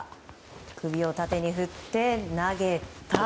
首を縦に振って投げた。